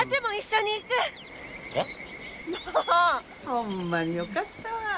ホンマによかったわ。